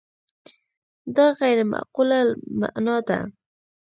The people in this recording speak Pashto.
دا غیر معقولة المعنی ده.